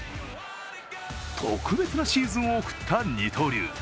特別なシーズンを送った二刀流。